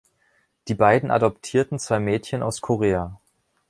Die beiden adoptierten zwei Mädchen aus Korea.